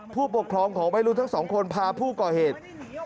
ผู้ปกครองของไม่รู้ทั้งสองคนพาผู้ก่อเหตุ